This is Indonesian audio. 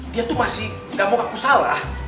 dia tuh masih gak mau aku salah